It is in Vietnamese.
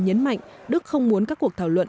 nhấn mạnh đức không muốn các cuộc thảo luận